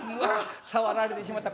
触られてしまった。